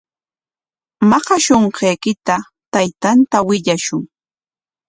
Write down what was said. Maqashunqaykita taytanta willashun.